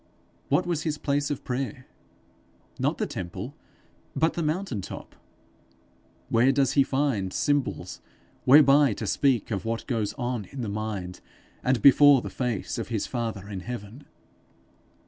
What was his place of prayer? Not the temple, but the mountain top. Where does he find symbols whereby to speak of what goes on in the mind and before the face of his father in heaven?